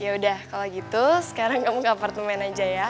ya udah kalau gitu sekarang kamu ke apartemen aja ya